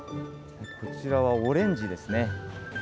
こちらはオレンジですね。